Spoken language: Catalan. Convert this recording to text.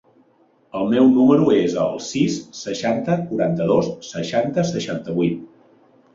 El meu número es el sis, seixanta, quaranta-dos, seixanta, seixanta-vuit.